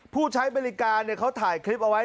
ผู้ใช้บริการเขาถ่ายคลิปเอาไว้